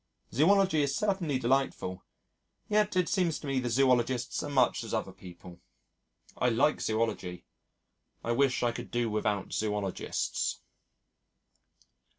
Zoology is certainly delightful, yet it seems to me the Zoologists are much as other people. I like Zoology. I wish I could do without Zoologists....